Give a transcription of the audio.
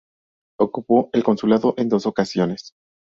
Ocupó el consulado en dos ocasiones.